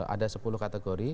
ada sepuluh kategori